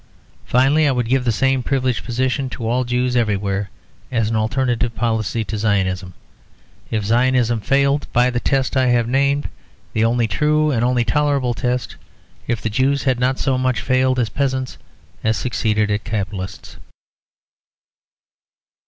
Finally, I would give the same privileged position to all Jews everywhere, as an alternative policy to Zionism, if Zionism failed by the test I have named; the only true and the only tolerable test; if the Jews had not so much failed as peasants as succeeded as capitalists.